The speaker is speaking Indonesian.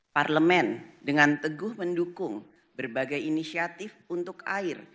parlemen dengan teguh mendukung berbagai inisiatif untuk air